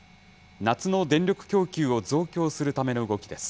夏の電力供給を増強するための動きです。